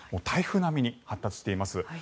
台風並みに発達しています。